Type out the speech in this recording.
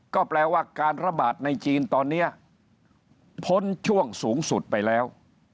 ก็แปลว่าการระบาดในจีนตอนนี้พ้นช่วงสูงสุดไปแล้ว